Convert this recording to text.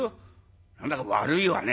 何だか悪いわね」。